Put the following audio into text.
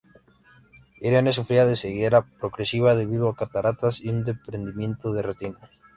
Irene sufría de ceguera progresiva debido a cataratas y un desprendimiento de retina.